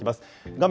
画面